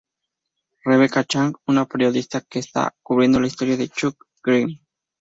Rebecca Chang: Una periodista que está cubriendo la historia de Chuck Greene.